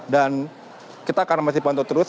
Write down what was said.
dan kita karena masih pantau terus